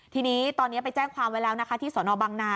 ทีนี้ตอนนี้ไปแจ้งความไว้แล้วนะคะที่สนบังนา